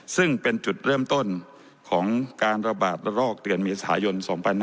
ซึ่งเป็นจุดเริ่มต้นของการระบาดระลอกเดือนเมษายน๒๕๖๒